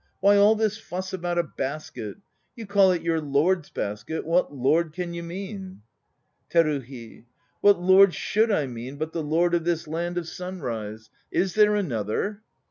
Why all this fuss about a basket? You call it your lord's basket; what lord can you mean? TERUHI. What lord should I mean but the lord of this land of Sunrise? Is there another?